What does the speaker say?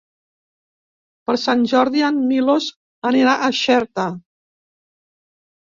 Per Sant Jordi en Milos anirà a Xerta.